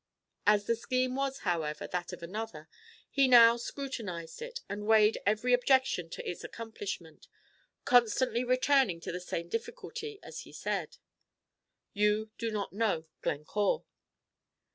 As the scheme was, however, that of another, he now scrutinized it, and weighed every objection to its accomplishment, constantly returning to the same difficulty, as he said, "You do not know Glencore."